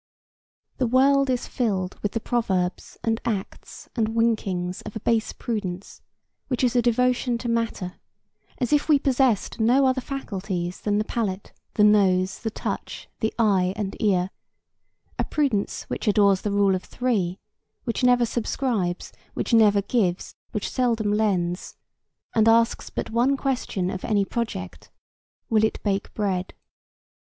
The world is filled with the proverbs and acts and winkings of a base prudence, which is a devotion to matter, as if we possessed no other faculties than the palate, the nose, the touch, the eye and ear; a prudence which adores the Rule of Three, which never subscribes, which never gives, which seldom lends, and asks but one question of any project,—Will it bake bread?